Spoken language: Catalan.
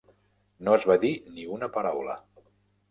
No es va dir ni una paraula.